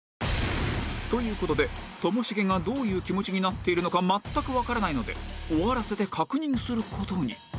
という事でともしげがどういう気持ちになっているのか全くわからないので終わらせて確認する事に